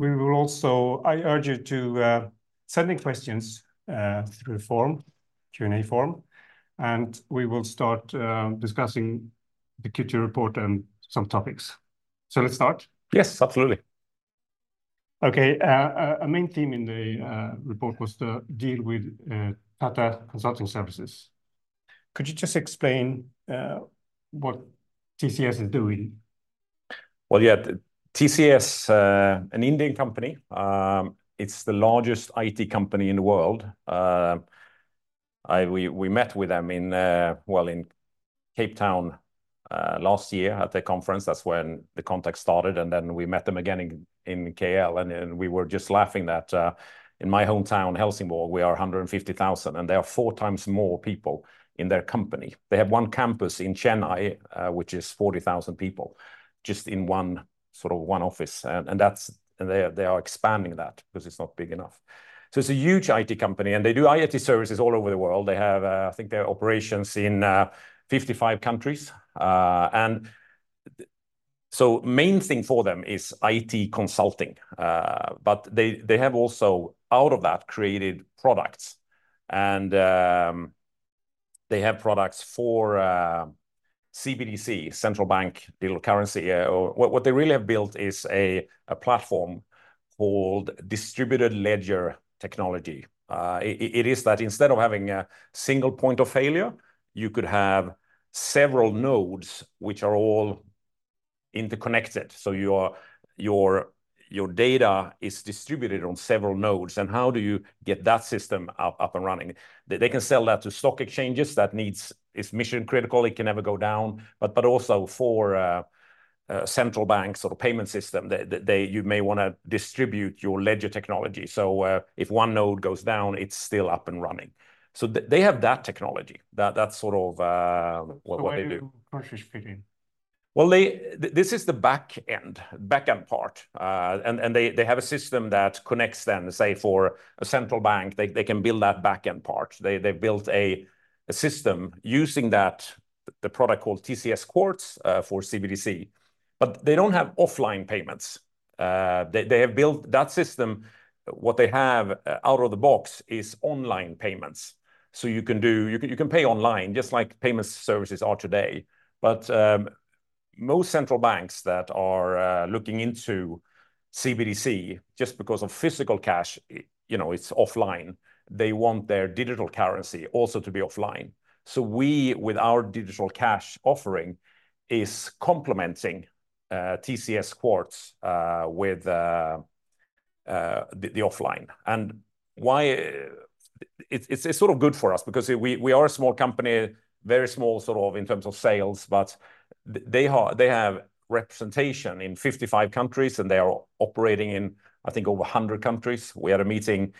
We will also. I urge you to sending questions through the form, Q&A form, and we will start discussing the Q2 report and some topics. So let's start? Yes, absolutely. Okay, a main theme in the report was the deal with Tata Consultancy Services. Could you just explain what TCS is doing? Yeah, TCS, an Indian company. It's the largest IT company in the world. We met with them in Cape Town last year at their conference. That's when the contact started, and then we met them again in KL. And then we were just laughing that in my hometown, Helsingborg, we are 150,000, and there are four times more people in their company. They have one campus in Chennai, which is 40,000 people, just in one, sort of one office. And that's. And they are expanding that because it's not big enough. So it's a huge IT company, and they do IT services all over the world. They have, I think, their operations in 55 countries. And so main thing for them is IT consulting. But they have also, out of that, created products. And they have products for CBDC, Central Bank Digital Currency. Or what they really have built is a platform called Distributed Ledger Technology. It is that instead of having a single point of failure, you could have several nodes which are all interconnected, so your data is distributed on several nodes, and how do you get that system up and running? They can sell that to stock exchanges that needs. It's mission-critical, it can never go down. But also for central banks or payment system, you may wanna distribute your ledger technology. So if one node goes down, it's still up and running. So they have that technology. That's sort of what they do. Where do you fit in? This is the back end, back-end part. And they have a system that connects them, say, for a central bank. They can build that back-end part. They built a system using that, the product called TCS Quartz, for CBDC. But they don't have offline payments. They have built that system. What they have out of the box is online payments. So you can pay online, just like payment services are today. But most central banks that are looking into CBDC, just because of physical cash, you know, it's offline, they want their digital currency also to be offline. So we, with our digital cash offering, is complementing TCS Quartz with the offline. And why. It's sort of good for us because we are a small company, very small, sort of, in terms of sales, but they have representation in 55 countries, and they are operating in, I think, over 100 countries. We had a meeting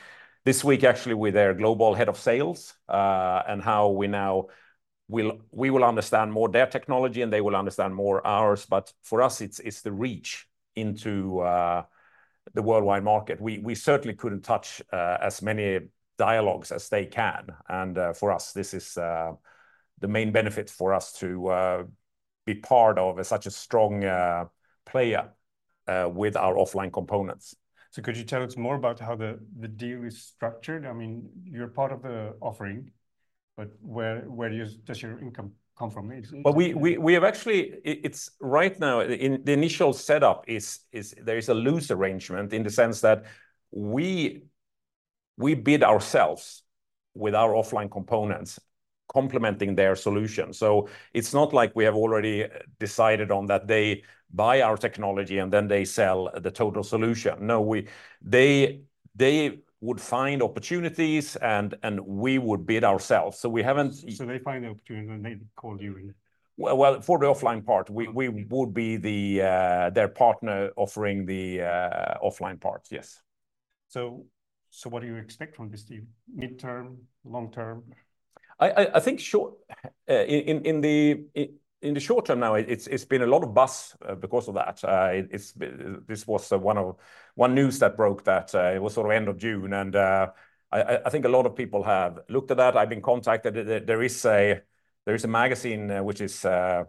this week, actually, with their global head of sales, and now we will understand more their technology, and they will understand more ours. But for us, it's the reach into the worldwide market. We certainly couldn't touch as many dialogues as they can. And for us, this is the main benefit for us to be part of such a strong player with our offline components. So could you tell us more about how the deal is structured? I mean, you're part of the offering, but where does your income come from? It's- We have actually. It's right now, in the initial setup, there is a loose arrangement in the sense that we bid ourselves with our offline components, complementing their solution. It's not like we have already decided on that they buy our technology, and then they sell the total solution. No, they would find opportunities, and we would bid ourselves. We haven't- So they find the opportunity, and then they call you in? For the offline part, we would be their partner offering the offline part, yes. What do you expect from this deal, midterm, long term? I think in the short term now, it's been a lot of buzz because of that. This was one news that broke, it was sort of end of June, and I think a lot of people have looked at that. I've been contacted. There is a magazine which has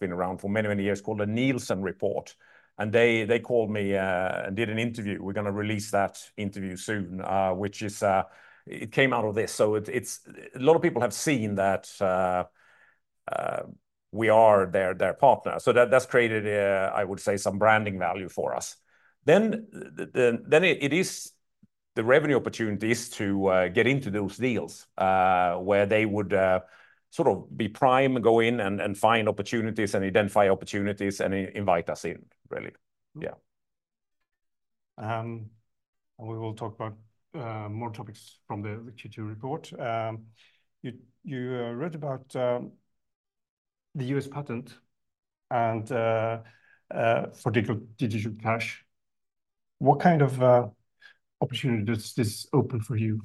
been around for many years, called the Nilson Report, and they called me and did an interview. We're gonna release that interview soon, which came out of this. So a lot of people have seen that we are their partner. So that's created, I would say, some branding value for us. Then it is the revenue opportunities to get into those deals where they would sort of be prime, go in and find opportunities and identify opportunities and invite us in, really. Yeah. We will talk about more topics from the Q2 report. You read about the U.S. patent for digital cash. What kind of opportunity does this open for you?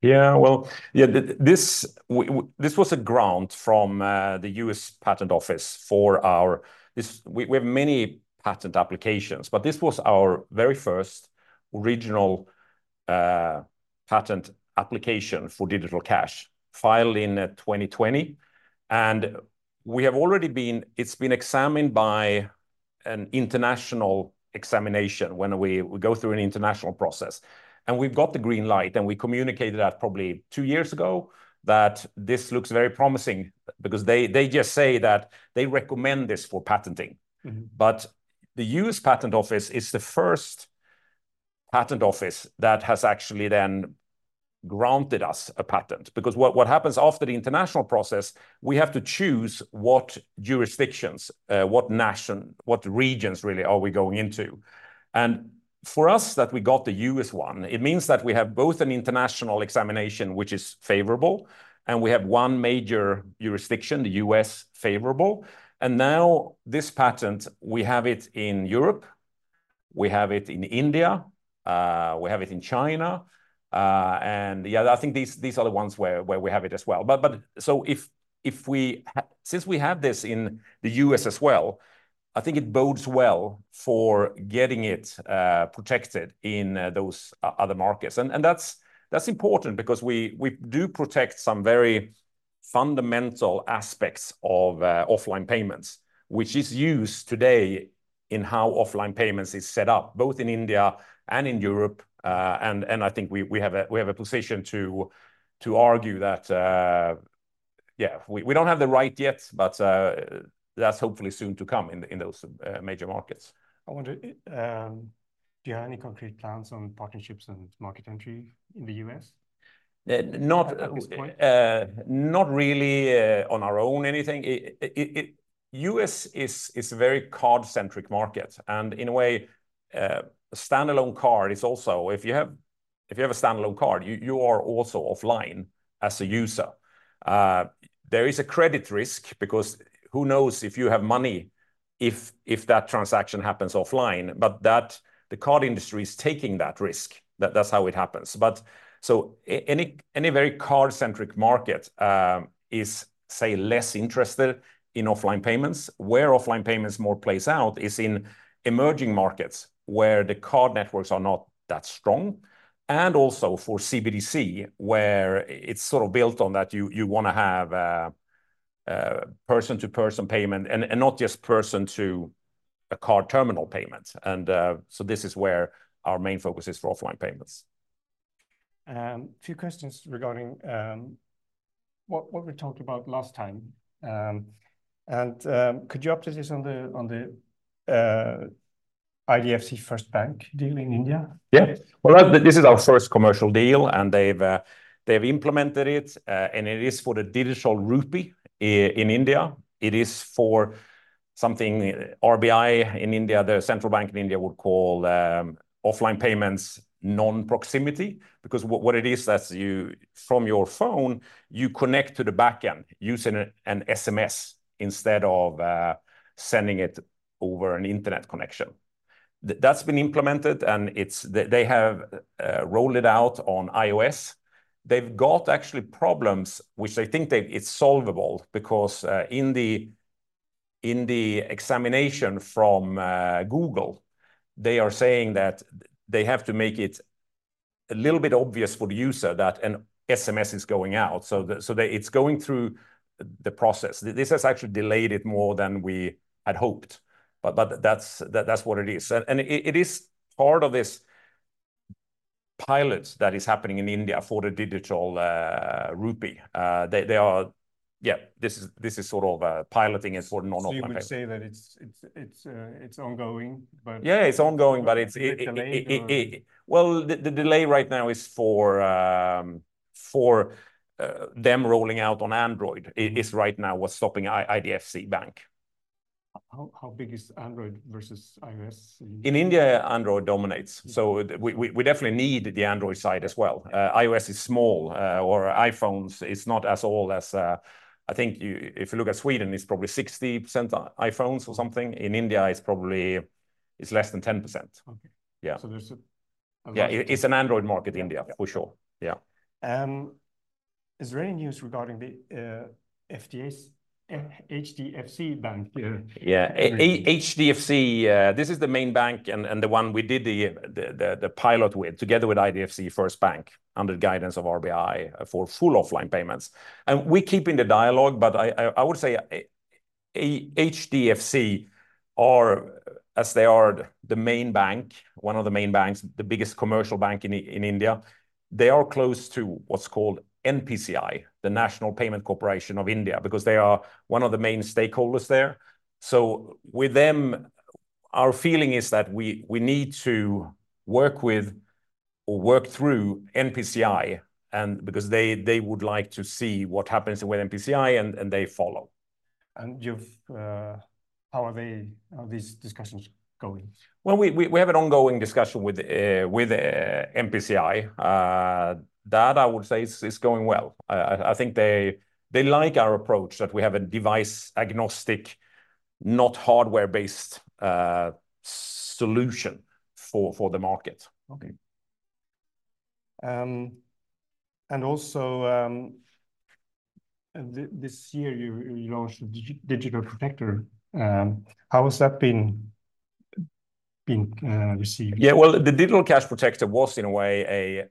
Yeah, well, yeah, this was a grant from the US Patent Office for our. We have many patent applications, but this was our very first patent application for digital cash filed in 2020. And it's been examined by an international examination when we go through an international process. And we've got the green light, and we communicated that probably two years ago, that this looks very promising. Because they just say that they recommend this for patenting. But the U.S. Patent Office is the first patent office that has actually then granted us a patent. Because what happens after the international process, we have to choose what jurisdictions, what nation, what regions really are we going into? And for us, that we got the U.S. one, it means that we have both an international examination, which is favorable, and we have one major jurisdiction, the U.S., favorable. And now, this patent, we have it in Europe, we have it in India, we have it in China. And yeah, I think these are the ones where we have it as well. But so if since we have this in the U.S. as well, I think it bodes well for getting it protected in those other markets. That's important because we do protect some very fundamental aspects of offline payments, which is used today in how offline payments is set up, both in India and in Europe. I think we have a position to argue that we don't have the right yet, but that's hopefully soon to come in those major markets. I wonder, do you have any concrete plans on partnerships and market entry in the U.S.- Uh, not At this point? Not really, on our own, anything. It, the U.S. is a very card-centric market, and in a way, a standalone card is also... If you have a standalone card, you are also offline as a user. There is a credit risk, because who knows if you have money if that transaction happens offline? But that, the card industry is taking that risk. That's how it happens. But so any very card-centric market is, say, less interested in offline payments. Where offline payments more plays out is in emerging markets, where the card networks are not that strong, and also for CBDC, where it's sort of built on that you wanna have person-to-person payment, and not just person-to-a-card terminal payment. This is where our main focus is for offline payments. A few questions regarding what we talked about last time. And could you update us on the IDFC First Bank deal in India? Yeah. Well, this is our first commercial deal, and they've implemented it. And it is for the digital rupee in India. It is for something RBI in India, the Central Bank in India, would call, offline payments non-proximity. Because what it is, that's you, from your phone, you connect to the back end using an SMS instead of sending it over an internet connection. That's been implemented, and it's. They have rolled it out on iOS. They've got actually problems, which I think it's solvable. Because, in the examination from Google, they are saying that they have to make it a little bit obvious for the user that an SMS is going out. So they- it's going through the process. This has actually delayed it more than we had hoped, but that's what it is. It is part of this pilot that is happening in India for the digital rupee. Yeah, this is sort of piloting it for non-proximity payment. So you would say that it's ongoing, but- Yeah, it's ongoing, but it's- With a delay or? Well, the delay right now is for them rolling out on Android is right now what's stopping IDFC Bank. How big is Android versus iOS in India? In India, Android dominates. Yeah. We definitely need the Android side as well. Yeah. iOS is small, or iPhones is not as all as. I think you, if you look at Sweden, it's probably 60% iPhones or something. In India, it's probably, it's less than 10%. Okay. Yeah. So there's a Yeah, it's an Android market, India- Yeah for sure, yeah. Is there any news regarding the HDFC Bank deal? Yeah. HDFC, this is the main bank, and the one we did the pilot with, together with IDFC First Bank, under the guidance of RBI, for full offline payments. And we're keeping the dialogue, but I would say, HDFC are, as they are the main bank, one of the main banks, the biggest commercial bank in India, they are close to what's called NPCI, the National Payments Corporation of India, because they are one of the main stakeholders there. So with them, our feeling is that we need to work with or work through NPCI, and because they would like to see what happens with NPCI, and they follow. You've how are they, how are these discussions going? We have an ongoing discussion with NPCI. That I would say is going well. I think they like our approach, that we have a device-agnostic, not hardware-based solution for the market. Okay. And also this year, you launched a digital protector. How has that been received? Yeah, well, the Digital Cash Protector was, in a way,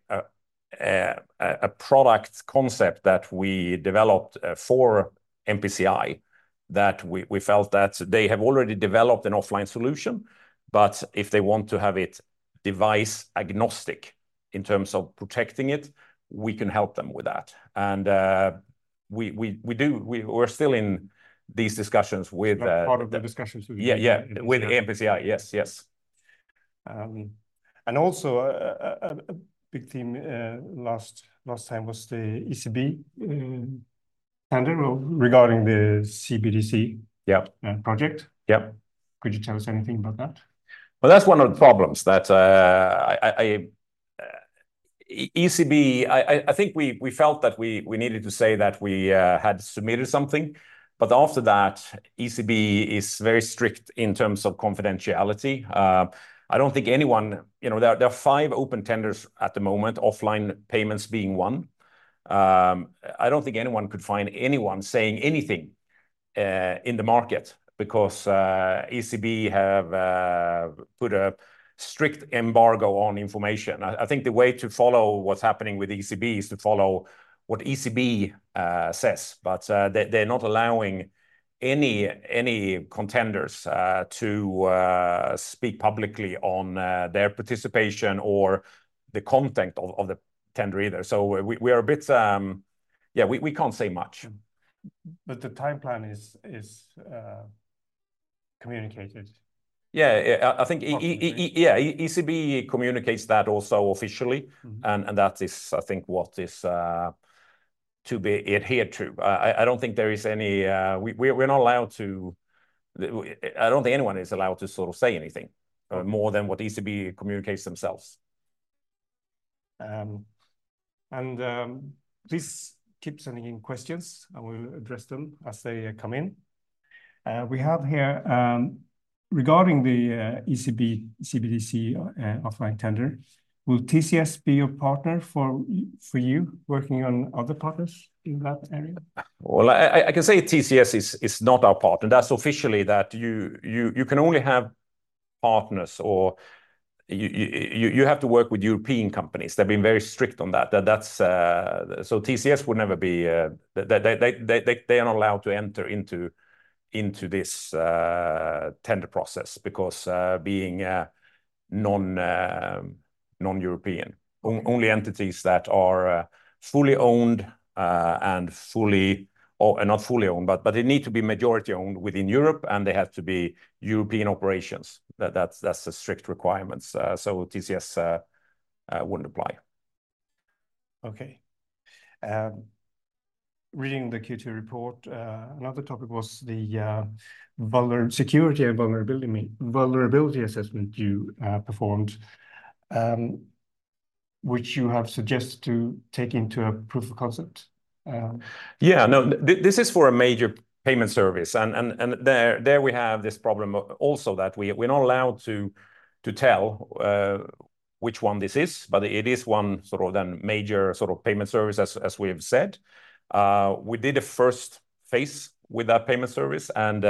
a product concept that we developed for NPCI, that we felt that they have already developed an offline solution. But if they want to have it device-agnostic in terms of protecting it, we can help them with that. And we're still in these discussions with Part of the discussions with- Yeah, yeah, with NPCI. Yes, yes. And also, a big theme last time was the ECB tender regarding the CBDC- Yeah project. Yep. Could you tell us anything about that? That's one of the problems that ECB I think we felt that we needed to say that we had submitted something, but after that, ECB is very strict in terms of confidentiality. I don't think anyone. You know, there are five open tenders at the moment, offline payments being one. I don't think anyone could find anyone saying anything in the market because ECB have put a strict embargo on information. I think the way to follow what's happening with ECB is to follow what ECB says. But they're not allowing any contenders to speak publicly on their participation or the content of the tender either. We are a bit. Yeah, we can't say much. But the timeline is communicated? Yeah. I think ECB communicates that also officially. Mm-hmm. That is, I think, what is to be adhered to. I don't think there is any... We're not allowed to. I don't think anyone is allowed to sort of say anything more than what ECB communicates themselves. Please keep sending in questions, and we'll address them as they come in. We have here: "Regarding the ECB, CBDC, offline tender, will TCS be your partner for you working on other partners in that area? Well, I can say TCS is not our partner. That's officially that you can only have partners or you have to work with European companies. They've been very strict on that. That's... So TCS would never be. They are not allowed to enter into this tender process because being non-European. Only entities that are fully owned, and fully, or not fully owned, but they need to be majority-owned within Europe, and they have to be European operations. That's the strict requirements. So TCS wouldn't apply. Okay. Reading the Q2 report, another topic was the security and vulnerability assessment you performed, which you have suggested to take into a proof of concept. Yeah. No, this is for a major payment service, and there we have this problem also that we're not allowed to tell which one this is, but it is one sort of the major sort of payment service as we have said. We did a first phase with that payment service, and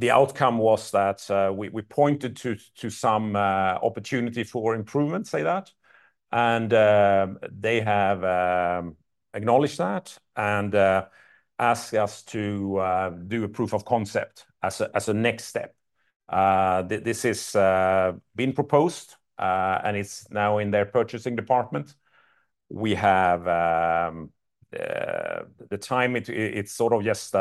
the outcome was that we pointed to some opportunity for improvement, say that. And they have acknowledged that, and asked us to do a proof of concept as a next step. This is being proposed, and it's now in their purchasing department. We have the time, it, it's sort of just.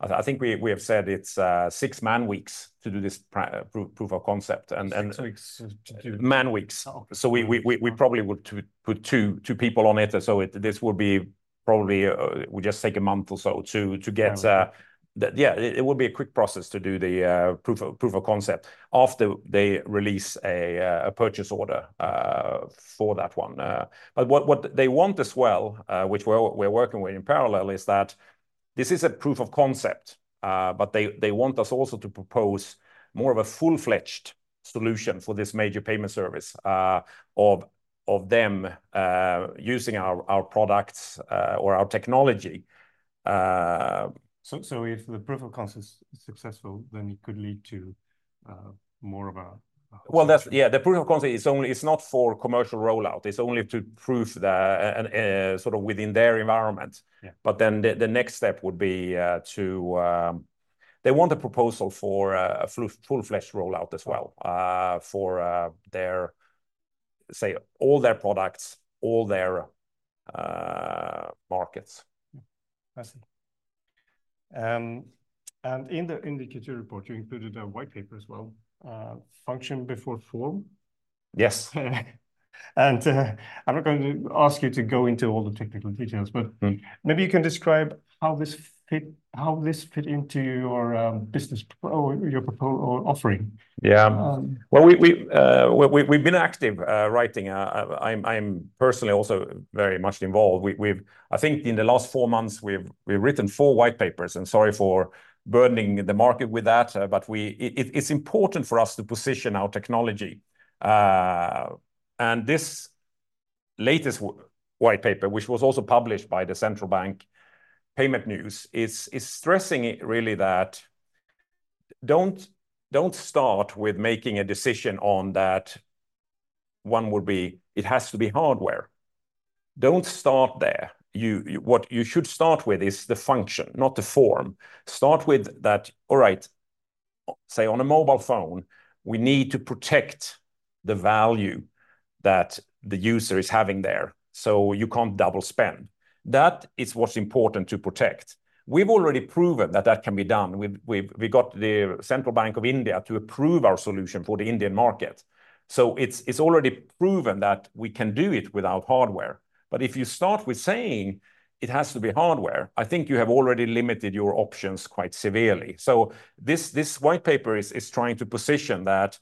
I think we have said it's six man weeks to do this proof of concept. And Six weeks to Man weeks. Oh. So we probably would to put two people on it. This would be probably just take a month or so to get. Yeah. Yeah, it would be a quick process to do the proof of concept after they release a purchase order for that one. But what they want as well, which we're working with in parallel, is that this is a proof of concept. But they want us also to propose more of a full-fledged solution for this major payment service of them, using our products or our technology. So if the proof of concept is successful, then it could lead to more of a Yeah, the proof of concept is only. It's not for commercial rollout. It's only to prove the sort of within their environment. Yeah. But then the next step would be to... They want a proposal for a full-fledged rollout as well, for their, say, all their products, all their markets. I see. And in the Q2 report, you included a white paper as well, Function Before Form? Yes. I'm not going to ask you to go into all the technical details, but- Mm. Maybe you can describe how this fit into your business proposition or offering. Yeah. Well, we've been active writing. I'm personally also very much involved. I think in the last four months, we've written four white papers, and sorry for burdening the market with that, but it's important for us to position our technology. And this latest white paper, which was also published by the Central Bank Payments News, is stressing it really that. Don't start with making a decision on that. One would be, it has to be hardware. Don't start there. What you should start with is the function, not the form. Start with that, all right, say, on a mobile phone, we need to protect the value that the user is having there, so you can't double spend. That is what's important to protect. We've already proven that that can be done. We got the Reserve Bank of India to approve our solution for the Indian market. So it's already proven that we can do it without hardware. But if you start with saying it has to be hardware, I think you have already limited your options quite severely. So this white paper is trying to position that,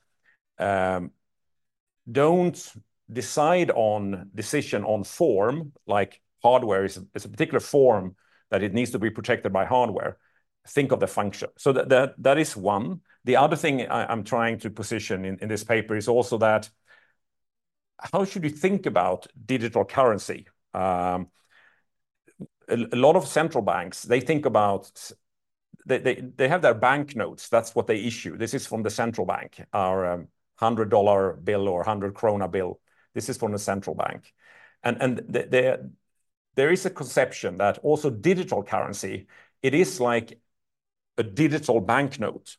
don't decide on decision on form, like hardware is a particular form, that it needs to be protected by hardware. Think of the function. So that is one. The other thing I'm trying to position in this paper is also that how should you think about digital currency? A lot of central banks, they think about... They have their banknotes. That's what they issue. This is from the central bank. Our $100 bill or 100 krona bill, this is from the central bank, and there is a conception that also digital currency, it is like a digital banknote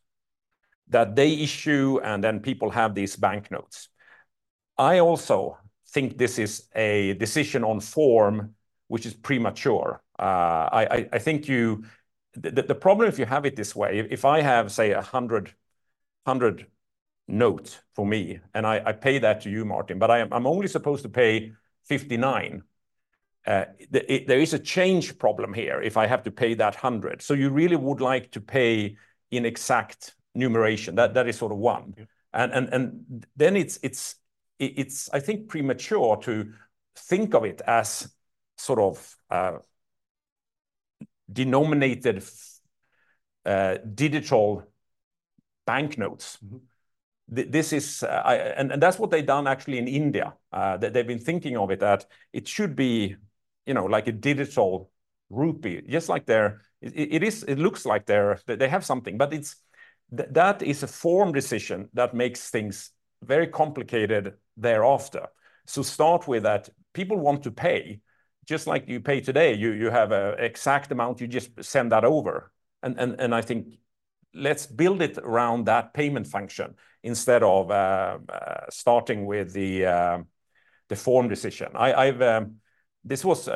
that they issue, and then people have these banknotes. I also think this is a decision on form, which is premature. I think you... The problem, if you have it this way, if I have say 100 notes for me, and I pay that to you, Martin, but I'm only supposed to pay 59, there is a change problem here if I have to pay that 100. So you really would like to pay in exact denomination. That is sort of one. Yeah. It's, I think, premature to think of it as sort of denominated digital banknotes. This is, and that's what they've done actually in India. They've been thinking of it, that it should be, you know, like a digital rupee, just like there. It looks like they have something, but it's that is a form decision that makes things very complicated thereafter. So start with that. People want to pay, just like you pay today. You have a exact amount, you just send that over, and I think let's build it around that payment function instead of starting with the form decision. I've This was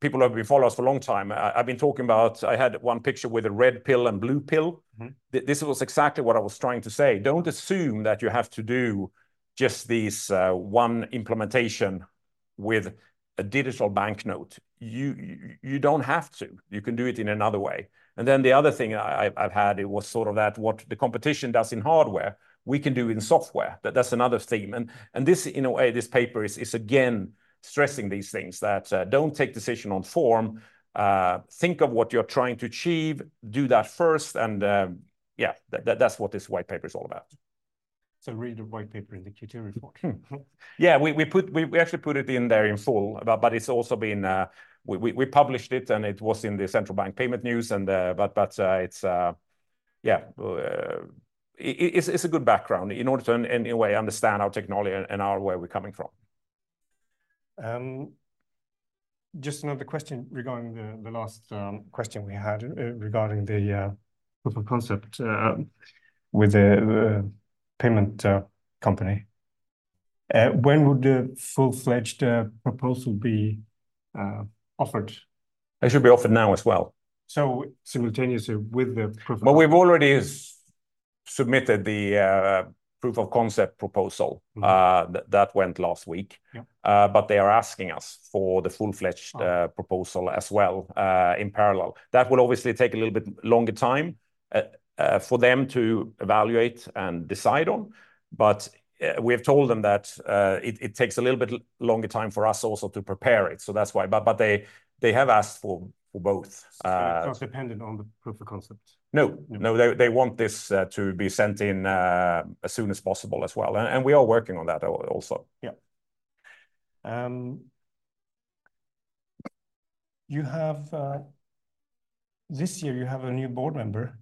people who have been following us for a long time, I've been talking about I had one picture with a red pill and blue pill. This was exactly what I was trying to say. Don't assume that you have to do just this one implementation with a digital banknote. You don't have to. You can do it in another way, and then the other thing I've had, it was sort of that, what the competition does in hardware, we can do in software, but that's another statement, and this, in a way, this paper is again stressing these things that don't take decision on form. Think of what you're trying to achieve. Do that first, and yeah, that's what this white paper is all about. Read the white paper in the Q2 report. Yeah, we actually put it in there in full, but it's also been published, and it was in the Central Bank Payments News, but it's a good background in order to, in a way, understand our technology and where we're coming from. Just another question regarding the last question we had regarding the proof of concept with the payment company. When would the full-fledged proposal be offered? It should be offered now as well. So simultaneously with the proof of concept. But we've already submitted the Proof of Concept proposal. Mm. That went last week. Yeah. But they are asking us for the full-fledged- Ah proposal as well, in parallel. That will obviously take a little bit longer time for them to evaluate and decide on. But, we have told them that, it takes a little bit longer time for us also to prepare it, so that's why. But, they have asked for both, So it's dependent on the proof of concept? No. No, they want this to be sent in as soon as possible as well, and we are working on that also. Yeah. This year, you have a new board member,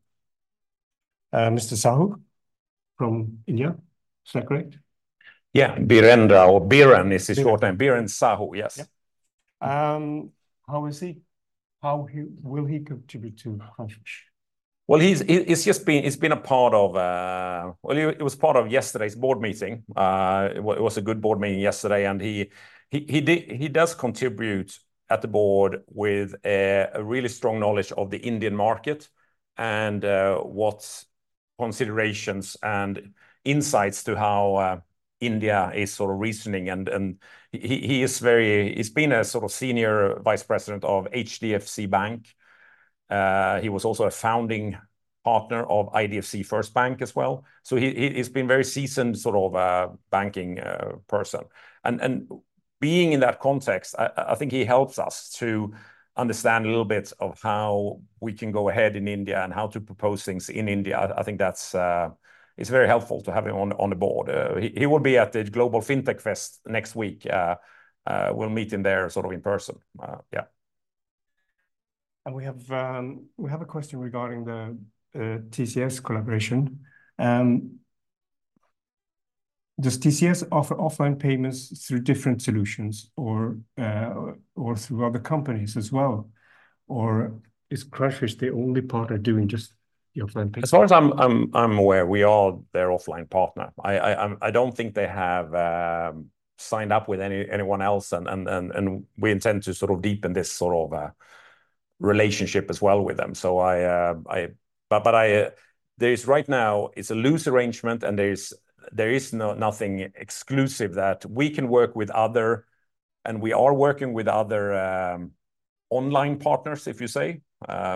Mr. Sahu from India. Is that correct? Yeah, Birendra, or Biren is his short name. Biren. Biren Sahu, yes. Yeah. How is he? How will he contribute to Crunchfish? Well, he was part of yesterday's board meeting. It was a good board meeting yesterday, and he does contribute at the board with a really strong knowledge of the Indian market, and what considerations and insights to how India is sort of reasoning. And he's been a sort of Senior Vice President of HDFC Bank. He was also a founding partner of IDFC First Bank as well. So he's been very seasoned, sort of, banking person. And being in that context, I think he helps us to understand a little bit of how we can go ahead in India and how to propose things in India. I think that's very helpful to have him on the board. He will be at the Global Fintech Fest next week. We'll meet him there, sort of, in person. Yeah. We have a question regarding the TCS collaboration. Does TCS offer offline payments through different solutions or through other companies as well? Or is Crunchfish the only partner doing just the offline payments? As far as I'm aware, we are their offline partner. I don't think they have signed up with anyone else, and we intend to sort of deepen this sort of relationship as well with them. But there is right now, it's a loose arrangement, and there is nothing exclusive that we can work with other, and we are working with other online partners, if you say.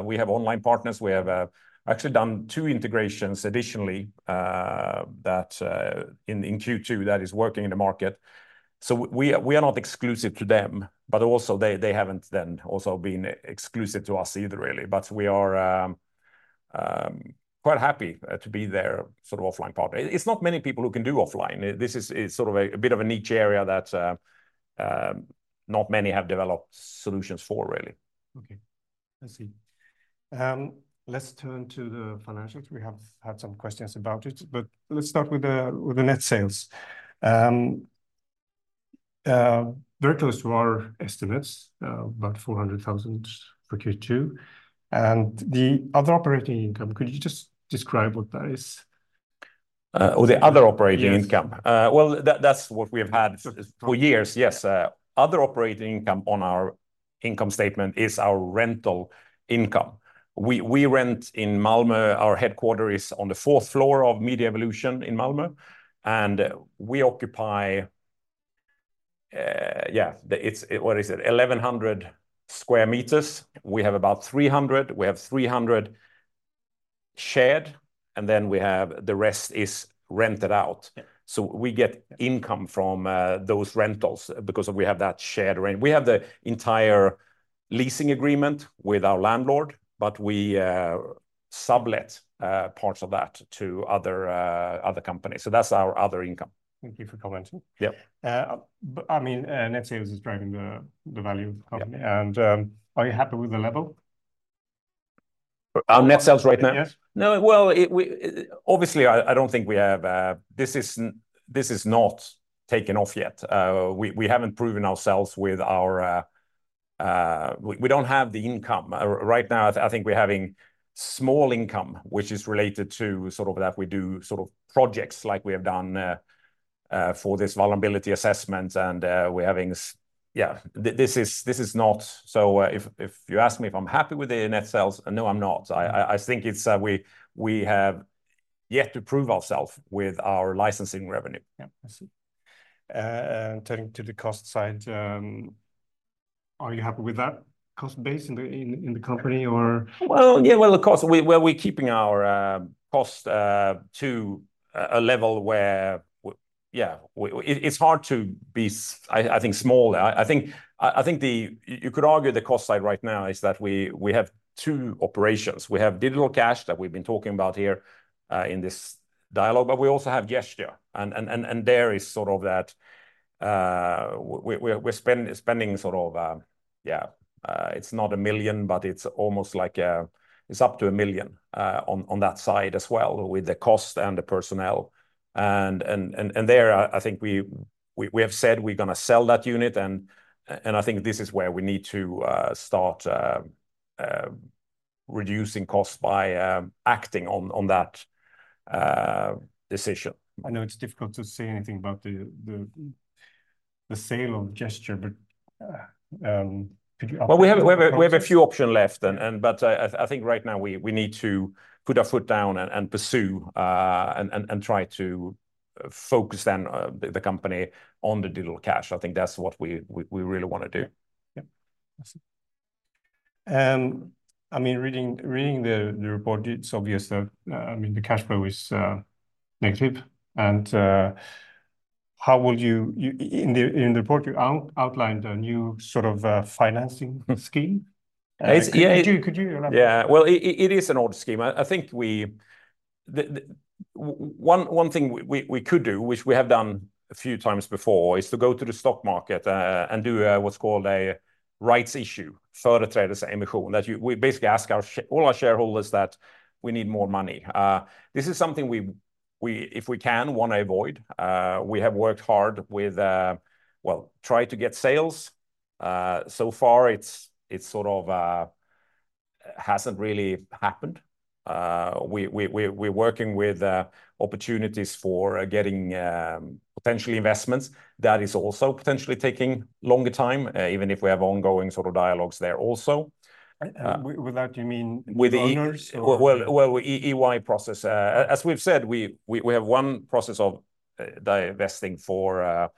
We have online partners. We have actually done two integrations additionally that in Q2 that is working in the market. We are not exclusive to them, but also they haven't then also been exclusive to us either, really. But we are quite happy to be their sort of offline partner. It's not many people who can do offline. This is sort of a bit of a niche area that not many have developed solutions for, really. Okay. I see. Let's turn to the financials. We have had some questions about it, but let's start with the net sales. Very close to our estimates, about 400,000 for Q2. And the other operating income, could you just describe what that is? the other operating income? Yes. Well, that's what we've had Sure for years. Yes. Other operating income on our income statement is our rental income. We rent in Malmö. Our headquarters is on the fourth floor of Media Evolution in Malmö, and we occupy it's 1,100 square meters. We have about 300. We have 300 shared, and then we have the rest is rented out. Yeah. So we get income from those rentals because we have that shared rent. We have the entire leasing agreement with our landlord, but we sublet parts of that to other companies. So that's our other income. Thank you for commenting. Yeah. But, I mean, net sales is driving the value of the company. Yeah. Are you happy with the level? Our net sales right now? Yes. No, well, obviously, I don't think we have. This is not taken off yet. We haven't proven ourselves with our. We don't have the income right now. I think we're having small income, which is related to sort of that we do sort of projects like we have done for this vulnerability assessment, and we're having. Yeah, this is not. So, if you ask me if I'm happy with the net sales, no, I'm not. I think it's, we have yet to prove ourselves with our licensing revenue. Yeah, I see. And turning to the cost side, are you happy with that cost base in the company, or? Well, yeah, well, of course, we well, we're keeping our cost to a level where yeah it it's hard to be smaller. I think you could argue the cost side right now is that we have two operations. We have Digital Cash that we've been talking about here in this dialogue, but we also have Gesture. And there is sort of that we're spending spending sort of yeah it's not 1 million, but it's almost like a, it's up to 1 million on that side as well, with the cost and the personnel. I think we have said we're gonna sell that unit, and I think this is where we need to start reducing costs by acting on that decision. I know it's difficult to say anything about the sale of Gesture, but could you update the process? We have a few options left. Yeah. I think right now we need to put our foot down and pursue and try to focus the company on the Digital Cash. I think that's what we really wanna do. Yeah. I see. I mean, reading the report, it's obvious that, I mean, the cash flow is negative. And how will you in the report, you outlined a new sort of financing scheme. It's, yeah- Could you elaborate? Yeah, well, it is an odd scheme. I think we... The one thing we could do, which we have done a few times before, is to go to the stock market and do what's called a rights issue, further trade the same issue. That we basically ask all our shareholders that we need more money. This is something we, if we can, wanna avoid. We have worked hard with... well, try to get sales. So far it's sort of hasn't really happened. We're working with opportunities for getting potentially investments. That is also potentially taking longer time, even if we have ongoing sort of dialogues there also. With that, you mean with owners or? M&A process. As we've said, we have one process of divesting for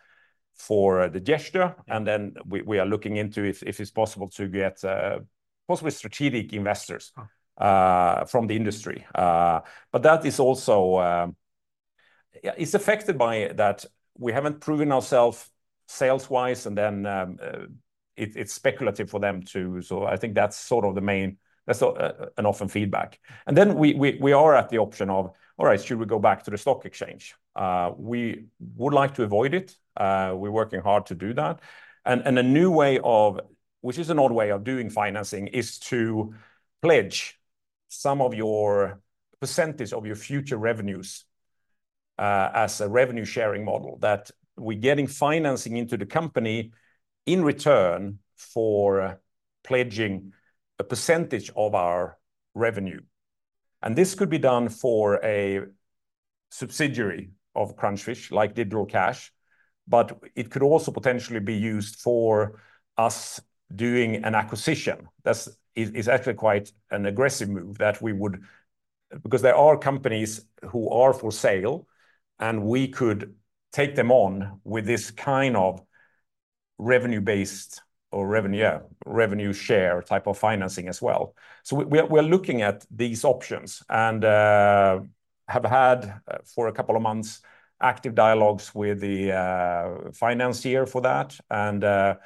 the Gesture, and then we are looking into if it's possible to get possibly strategic investors- Uh... from the industry, but that is also, yeah, it's affected by that. We haven't proven ourselves sales-wise, and then it's speculative for them to... so I think that's sort of the main, an often feedback. Yeah. We are at the option of, "All right, should we go back to the stock exchange?" We would like to avoid it. We're working hard to do that. A new way of, which is an odd way of doing financing, is to pledge some of your percentage of your future revenues as a revenue sharing model, that we're getting financing into the company in return for pledging a percentage of our revenue. This could be done for a subsidiary of Crunchfish, like Digital Cash, but it could also potentially be used for us doing an acquisition. That's it is actually quite an aggressive move that we would. Because there are companies who are for sale, and we could take them on with this kind of revenue-based or revenue, yeah, revenue share type of financing as well. So we're looking at these options and have had, for a couple of months, active dialogues with the financier for that and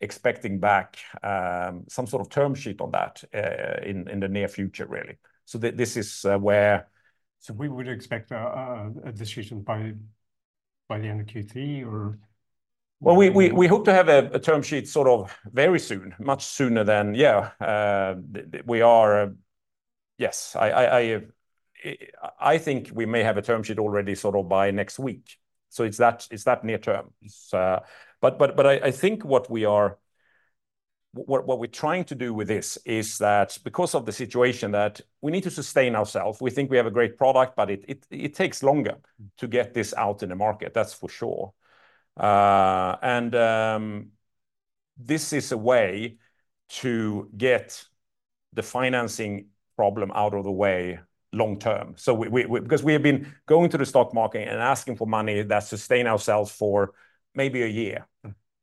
expecting back some sort of term sheet on that in the near future, really. So this is where- So we would expect a decision by the end of Q3, or? We hope to have a term sheet sort of very soon, much sooner than... Yeah, we are. Yes, I think we may have a term sheet already sort of by next week. So it's that near term, but I think what we're trying to do with this is that because of the situation that we need to sustain ourselves, we think we have a great product, but it takes longer to get this out in the market, that's for sure, and this is a way to get the financing problem out of the way long term, because we have been going to the stock market and asking for money that sustain ourselves for maybe a year.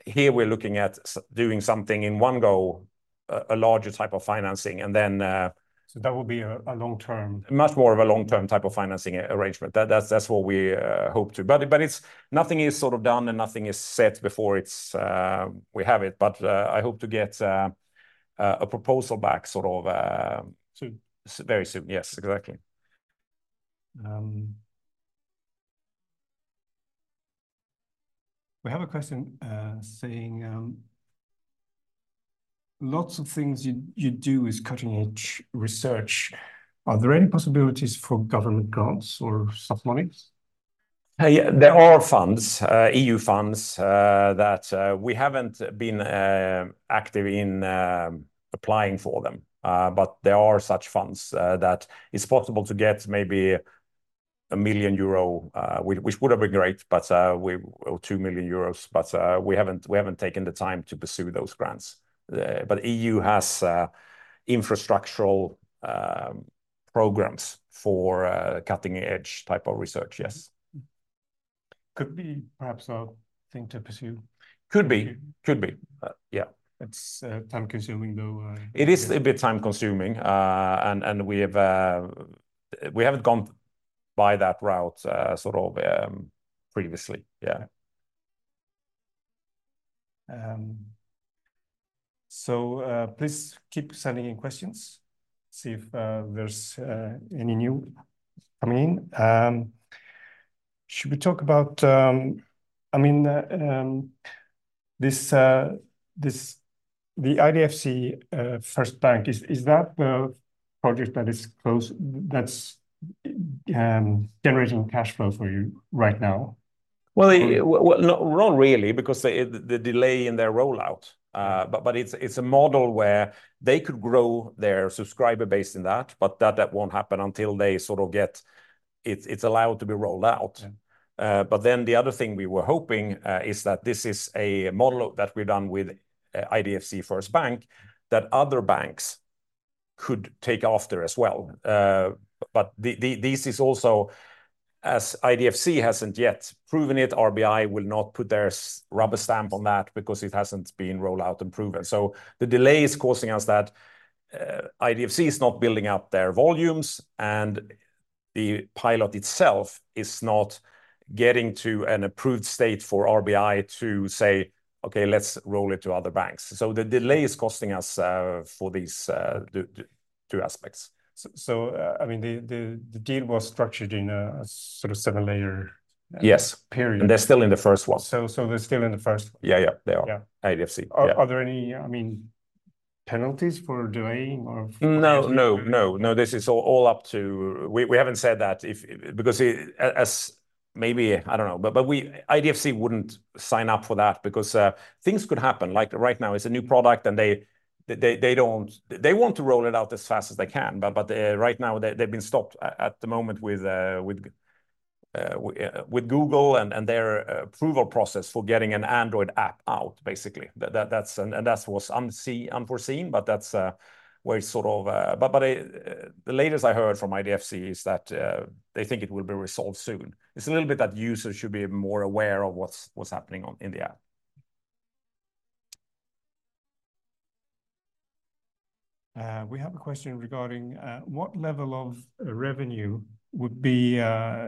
Here, we're looking at doing something in one go, a larger type of financing, and then, That would be a long-term Much more of a long-term type of financing arrangement. That's what we hope to. But it's nothing is sort of done, and nothing is set before it's we have it. But I hope to get a proposal back sort of. Soon. Very soon. Yes, exactly. We have a question saying, "Lots of things you, you do is cutting-edge research. Are there any possibilities for government grants or such monies? Yeah, there are funds, EU funds, that we haven't been active in applying for them. But there are such funds, that it's possible to get maybe 1 million euro, which would have been great, but we or 2 million euros, but we haven't taken the time to pursue those grants. But EU has infrastructural programs for a cutting-edge type of research, yes. Could be perhaps a thing to pursue. Could be. Could be, yeah. It's time-consuming, though. It is a bit time-consuming, and we have. We haven't gone by that route, sort of, previously. Yeah. So, please keep sending in questions. See if there's any new coming in. Should we talk about... I mean, this, the IDFC First Bank, is that the project that is close, that's generating cash flow for you right now? Not really, because the delay in their rollout. But it's a model where they could grow their subscriber base in that, but that won't happen until they sort of get it's allowed to be rolled out. Yeah. But then the other thing we were hoping is that this is a model that we've done with IDFC First Bank, that other banks could take after as well. But this is also, as IDFC hasn't yet proven it, RBI will not put their rubber stamp on that because it hasn't been rolled out and proven. So the delay is causing us that IDFC is not building up their volumes, and the pilot itself is not getting to an approved state for RBI to say, "Okay, let's roll it to other banks." So the delay is costing us for these two aspects. I mean, the deal was structured in a sort of seven-layer Yes period. They're still in the first one. So, they're still in the first one? Yeah, yeah, they are. Yeah. IDFC, yeah. Are there any, I mean, penalties for delaying or- No, this is all up to. We haven't said that if, because, as maybe, I don't know. But IDFC wouldn't sign up for that because things could happen. Like right now, it's a new product, and they don't. They want to roll it out as fast as they can, but right now, they've been stopped at the moment with Google and their approval process for getting an Android app out, basically. That's. And that was unforeseen, but that's where it sort of. But the latest I heard from IDFC is that they think it will be resolved soon. It's a little bit that users should be more aware of what's happening in the app. We have a question regarding, "What level of revenue would be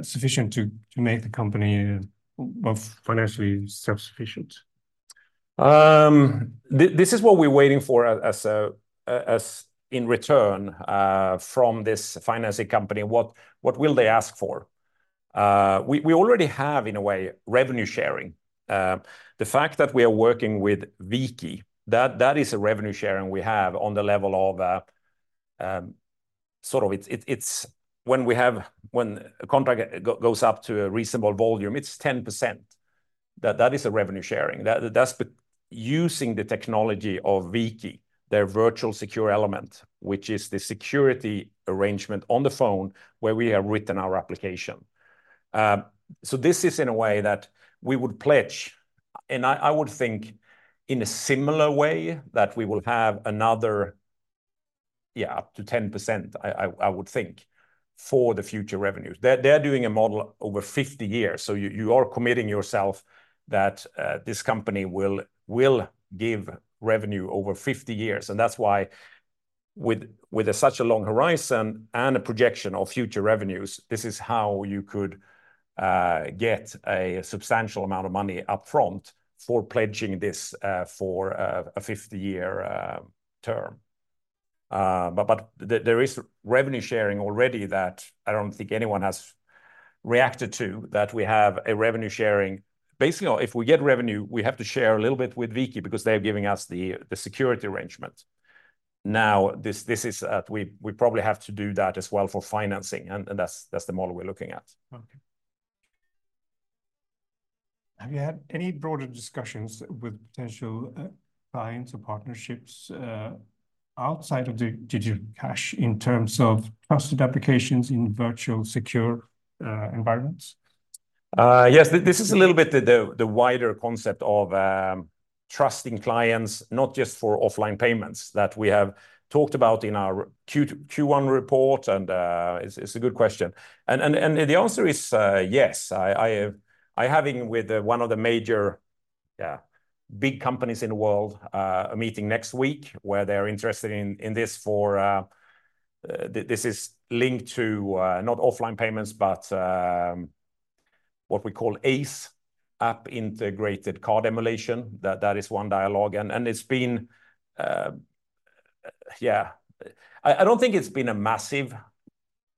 sufficient to make the company well, financially self-sufficient? This is what we're waiting for as in return from this financing company. What will they ask for? We already have, in a way, revenue sharing. The fact that we are working with V-Key, that is a revenue sharing we have on the level of, sort of it's when a contract goes up to a reasonable volume, it's 10%. That is a revenue sharing. That's using the technology of V-Key, their virtual secure element, which is the security arrangement on the phone where we have written our application. So this is in a way that we would pledge, and I would think in a similar way, that we will have another, up to 10%, I would think, for the future revenues. They're doing a model over 50 years, so you are committing yourself that this company will give revenue over 50 years. And that's why with such a long horizon and a projection of future revenues, this is how you could get a substantial amount of money upfront for pledging this for a 50-year term. But there is revenue sharing already that I don't think anyone has reacted to, that we have a revenue sharing. Basically, if we get revenue, we have to share a little bit with V-Key because they're giving us the security arrangement. Now, this is, we probably have to do that as well for financing, and that's the model we're looking at. Okay. Have you had any broader discussions with potential clients or partnerships outside of the Digital Cash in terms of trusted applications in virtual secure environments? Yes, this is a little bit the wider concept of trusting clients, not just for offline payments, that we have talked about in our Q1 report, and it's a good question, and the answer is yes. I have, I'm having with one of the major big companies in the world a meeting next week, where they're interested in this for this is linked to not offline payments, but what we call ACE, App-integrated Card Emulation. That is one dialogue, and it's been. I don't think it's been a massive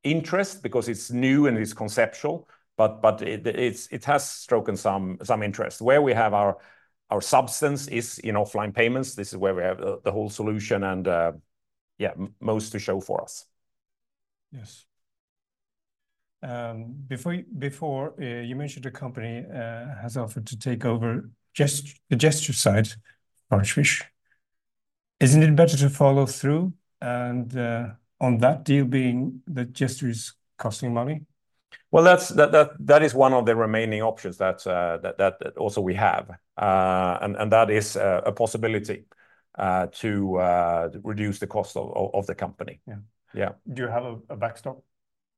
interest, because it's new and it's conceptual, but it it's has struck some interest. Where we have our substance is in offline payments. This is where we have the whole solution, and, yeah, most to show for us. Yes. Before you mentioned the company has offered to take over the Gesture side, partner's. Isn't it better to follow through and on that deal being that Gesture is costing money? That's one of the remaining options that we also have. And that is a possibility to reduce the cost of the company. Yeah. Yeah. Do you have a backstop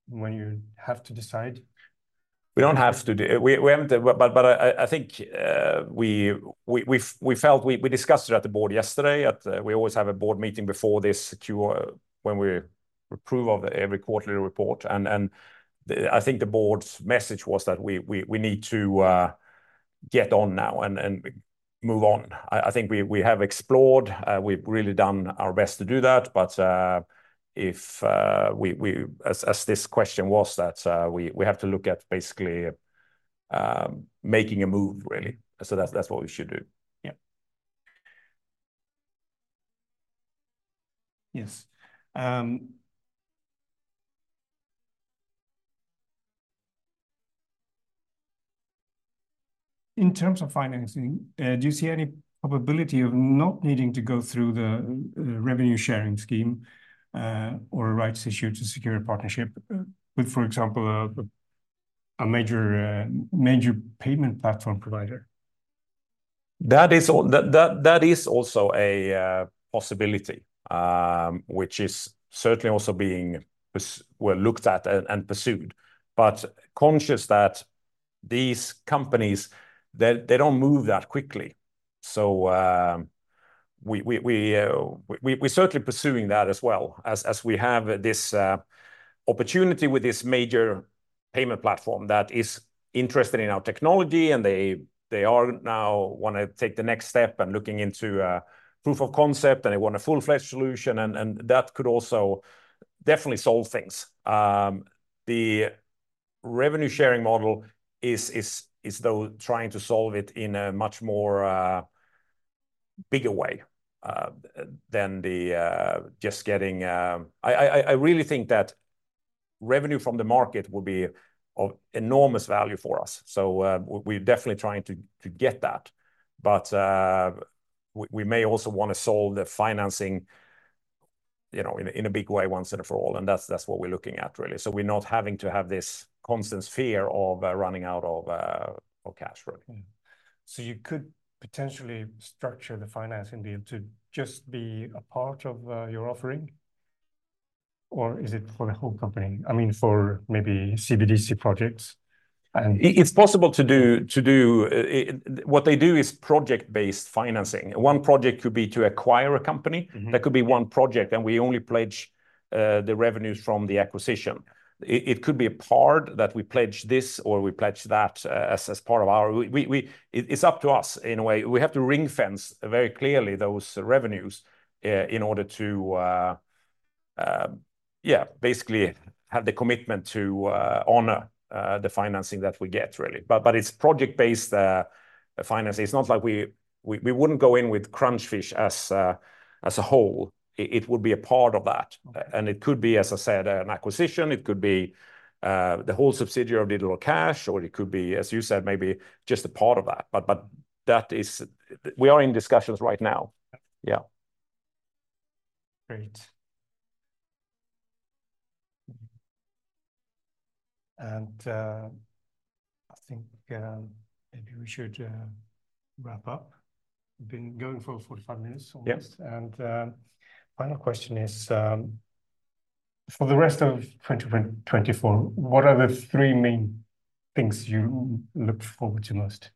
when you have to decide? We haven't, but I think we felt we discussed it at the board yesterday. We always have a board meeting before this Q, when we approve every quarterly report. The board's message was that we need to get on now and move on. I think we have explored. We've really done our best to do that, but as this question was, we have to look at basically making a move, really. That's what we should do. Yeah. Yes. In terms of financing, do you see any probability of not needing to go through the revenue sharing scheme, or a rights issue to secure a partnership with, for example, a major payment platform provider? That is also a possibility, which is certainly also being looked at and pursued. But conscious that these companies, they don't move that quickly. So, we certainly pursuing that as well, as we have this opportunity with this major payment platform that is interested in our technology, and they are now wanna take the next step and looking into a proof of concept, and they want a full-fledged solution, and that could also definitely solve things. The revenue sharing model is though trying to solve it in a much more bigger way than the just getting. I really think that revenue from the market will be of enormous value for us, so we're definitely trying to get that. But we may also want to solve the financing, you know, in a big way, once and for all, and that's what we're looking at, really. So we're not having to have this constant fear of running out of cash flow. So you could potentially structure the financing deal to just be a part of your offering, or is it for the whole company? I mean, for maybe CBDC projects, and- It's possible to do. What they do is project-based financing. One project could be to acquire a company. That could be one project, and we only pledge the revenues from the acquisition. It could be a part that we pledge this or we pledge that, as part of our. We, it's up to us, in a way. We have to ring-fence very clearly those revenues in order to yeah, basically have the commitment to honor the financing that we get, really. But it's project-based financing. It's not like we wouldn't go in with Crunchfish as a whole. It would be a part of that. And it could be, as I said, an acquisition, it could be the whole subsidiary of Digital Cash, or it could be, as you said, maybe just a part of that. But that is. We are in discussions right now. Yeah. Great. And, I think, maybe we should wrap up. We've been going for 45 minutes almost. Yep. Final question is, for the rest of twenty twenty-four, what are the three main things you look forward to most?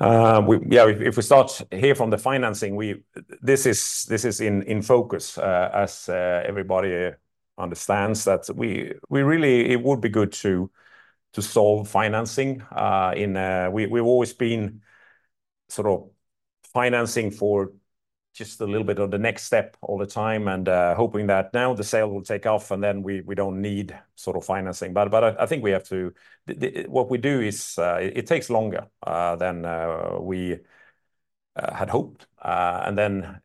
Yeah, if we start here from the financing, we... This is, this is in focus, as everybody understands, that we really-- It would be good to solve financing. And we've always been sort of financing for just a little bit of the next step all the time, and hoping that now the sale will take off, and then we don't need sort of financing. I think we have to-- What we do is, it takes longer than we had hoped. And then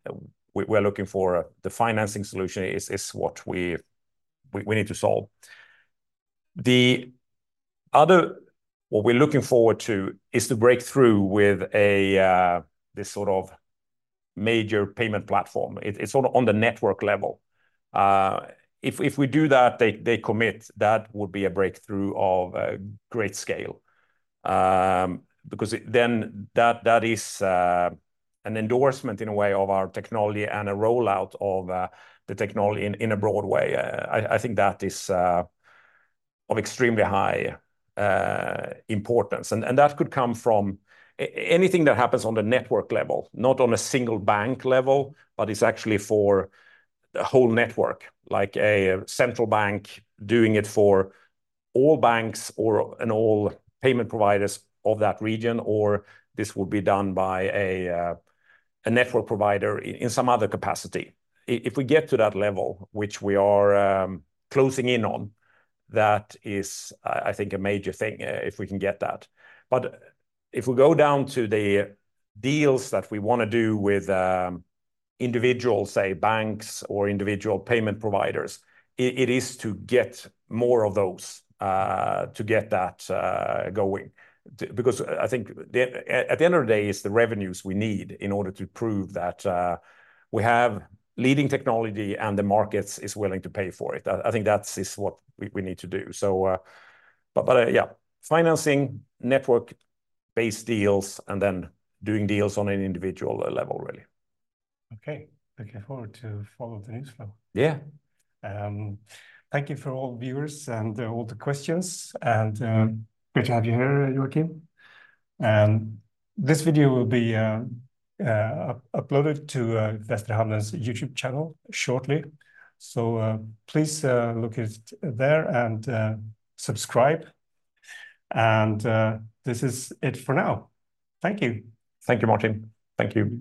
we're looking for the financing solution is what we need to solve. The other-- What we're looking forward to is the breakthrough with a, this sort of major payment platform. It's on the network level. If we do that, they commit, that would be a breakthrough of a great scale. Because it then that is an endorsement in a way of our technology and a rollout of the technology in a broad way. I think that is of extremely high importance, and that could come from anything that happens on the network level, not on a single bank level, but it's actually for the whole network, like a central bank doing it for all banks or all payment providers of that region, or this will be done by a network provider in some other capacity. If we get to that level, which we are closing in on, that is, I think, a major thing, if we can get that. But if we go down to the deals that we wanna do with individual, say, banks or individual payment providers, it is to get more of those to get that going. Because I think at the end of the day, it's the revenues we need in order to prove that we have leading technology and the markets is willing to pay for it. I think that is what we need to do. So, but, yeah, financing, network-based deals, and then doing deals on an individual level, really. Okay. Looking forward to follow the news flow. Yeah. Thank you for all the viewers and all the questions, and great to have you here, Joakim. And this video will be uploaded to Västra Hamnen's YouTube channel shortly. So, please look it there and subscribe, and this is it for now. Thank you. Thank you, Martin. Thank you.